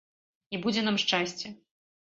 І будзе нам шчасце.